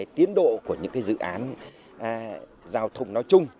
tiến độ của những dự án giao thông nói chung